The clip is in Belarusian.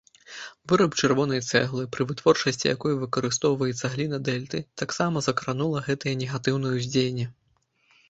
Выраб чырвонай цэглы, пры вытворчасці якой выкарыстоўваецца гліна дэльты, таксама закранула гэтае негатыўнае ўздзеянне.